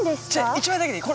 １枚だけでいい！